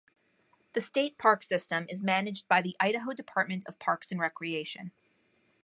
The state park system is managed by the Idaho Department of Parks and Recreation.